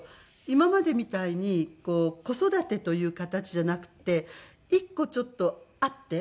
今までみたいに子育てという形じゃなくて一個ちょっとあって。